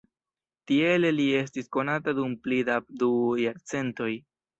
Tiele li estis konata dum pli da du jarcentoj.